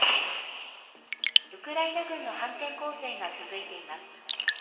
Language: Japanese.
ウクライナ軍の反転攻勢が続いています。